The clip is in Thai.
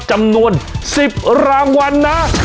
จำนวน๑๐รางวัลนะ